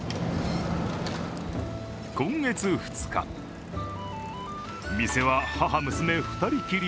今月２日、店は母娘二人きり。